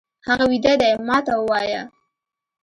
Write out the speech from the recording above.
هغه ويده دی، ما ته ووايه!